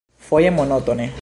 Foje monotone.